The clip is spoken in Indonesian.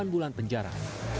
delapan bulan penjara